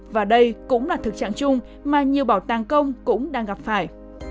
và đây cũng là thực trạng chung mà nhiều bảo tàng công cũng đang gặp phải